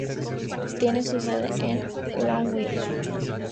Tiene su sede en Longview.